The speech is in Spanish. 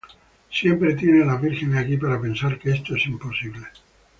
Siempre tienes las vírgenes aquí para pensar que esto es imposible.